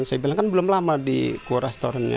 saya bilang kan belum lama di kuo restorannya